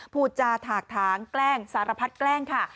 พูดจาถากถางแกล้งสารพัดแกล้งค่ะ